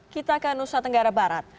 kita ke nusa tenggara barat